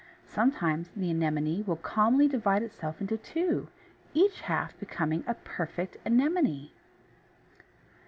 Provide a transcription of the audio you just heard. Sometimes the Anemone will calmly divide itself into two, each half becoming a perfect Anemone!